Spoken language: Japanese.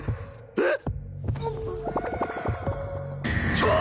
えっ！